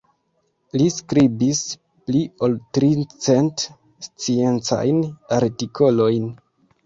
Li skribis pli ol tricent sciencajn artikolojn.